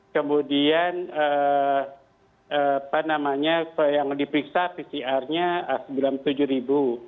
kemudian apa namanya yang dipiksa pcrnya sembilan puluh tujuh ribu